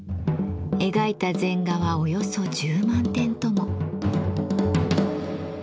描いた禅画はおよそ１０万点とも。